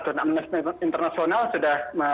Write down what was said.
donat internasional sudah